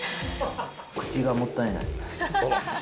口がもったいない。